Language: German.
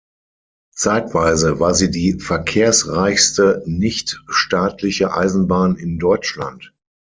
Zeitweise war sie die verkehrsreichste nichtstaatliche Eisenbahn in Deutschland.